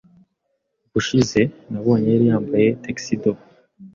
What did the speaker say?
Ubushize nabonye yari yambaye tuxedo.